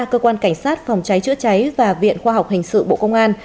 cơ quan cảnh sát phòng cháy chữa cháy và viện khoa học hình sự bộ công an